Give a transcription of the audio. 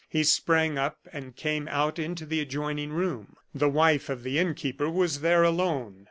He sprang up, and came out into the adjoining room. The wife of the innkeeper was there alone.